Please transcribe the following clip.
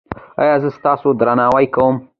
ایا زه ستاسو درناوی کوم؟